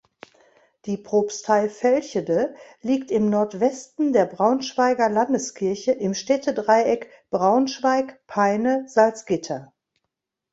Die Propstei Vechelde liegt im Nordwesten der Braunschweiger Landeskirche im Städtedreieck Braunschweig–Peine–Salzgitter.